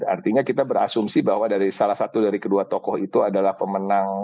artinya kita berasumsi bahwa dari salah satu dari kedua tokoh itu adalah pemenang